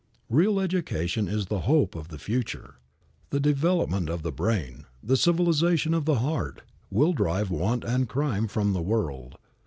Real education is the hope of the future. The development of the brain, the civilization of the heart, will drive want and crime from the world.